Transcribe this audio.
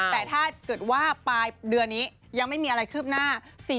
แต่ถ้าเกิดว่าปลายเดือนนี้ยังไม่มีอะไรคืบหน้า